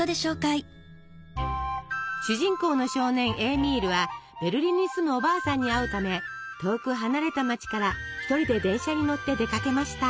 主人公の少年エーミールはベルリンに住むおばあさんに会うため遠く離れた街から一人で電車に乗って出かけました。